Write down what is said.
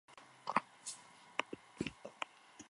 Posible zen eta gertatu da.